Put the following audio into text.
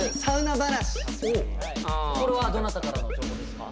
これはどなたからの情報ですか？